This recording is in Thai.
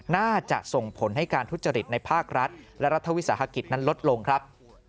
น่าจะส่งผลให้การทุจริตในภาครัฐและรัฐวิสาหกิจนั้นลดลงครับ